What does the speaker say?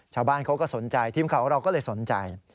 ชาวบ้านเขาก็สนใจทีมข่าวของเราก็เลยสนใจ